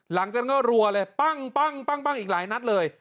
หลังจากนั้นก็รัวเลยปั้งอีกหลายนัดเลย